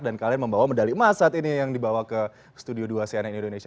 dan kalian membawa medali emas saat ini yang dibawa ke studio dua sianet indonesia